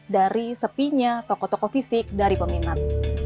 dari sepinya toko toko fisik dari peminat